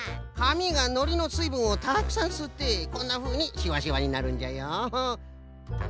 かみがのりのすいぶんをたくさんすってこんなふうにシワシワになるんじゃよ。